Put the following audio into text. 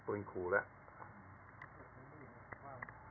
เป็นคู่แล้ว